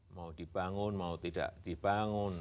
mau dibangun mau tidak dibangun